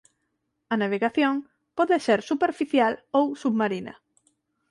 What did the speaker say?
A navegación pode ser superficial ou submarina.